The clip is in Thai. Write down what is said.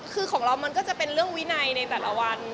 คือของเรามันก็จะเป็นเรื่องวินัยในแต่ละวัน